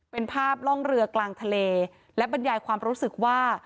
เป็นภาพร่องเรือกลางทะเลและบรรยายความรู้สึกว่า